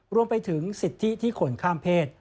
รวมไปถึงสิทธิที่คนข้ามเพศ